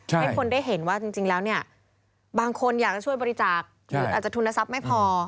ให้คนได้เห็นว่าจริงแล้วเนี่ยบางคนอยากจะช่วยบริจาคหรืออาจจะทุนทรัพย์ไม่พอ